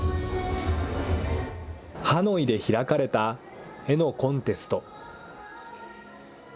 ハノイで開かれた絵のコンテスト。